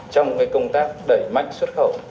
trong công tác đẩy mạnh xuất khẩu